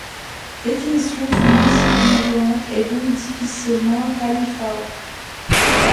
Définition d'une musique mouvante et donc difficilement qualifiable.